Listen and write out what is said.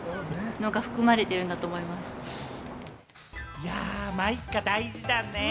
いや、まぁいっか、大事だね。